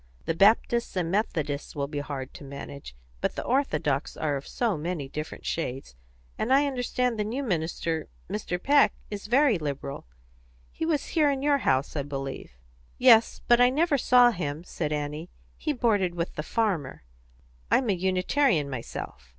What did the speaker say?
The Baptists and Methodists will be hard to manage; but the Orthodox are of so many different shades; and I understand the new minister, Mr. Peck, is very liberal. He was here in your house, I believe." "Yes; but I never saw him," said Annie. "He boarded with the farmer. I'm a Unitarian myself."